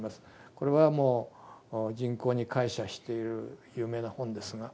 これはもう人口に膾炙している有名な本ですが。